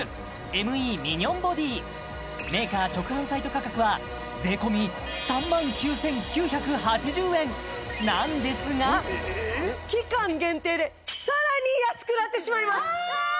ＭＥミニョンボディメーカー直販サイト価格は税込３９９８０円なんですがなってしまいます！